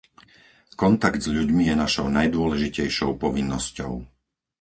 Kontakt s ľuďmi je našou najdôležitejšou povinnosťou.